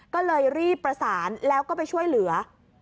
ก็เลยรีบประสานแล้วก็ไปช่วยเหลือ